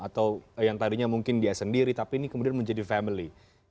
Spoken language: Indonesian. atau yang tadinya mungkin dia sendiri tapi ini kemudian menjadi family